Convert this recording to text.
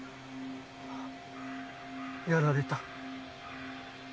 やられた。